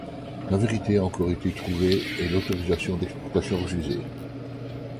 La vérité a encore été trouvée et l'autorisation d'exportation refusée.